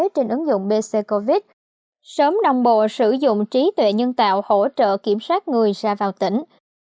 trên ứng dụng bc covid sớm đồng bộ sử dụng trí tuệ nhân tạo hỗ trợ kiểm soát người ra vào tỉnh